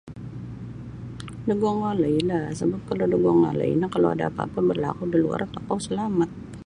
Da guang walailah sabap kalau da guang walai no kalau ada' apa'-apa' barlaku' da luar tokou selamat.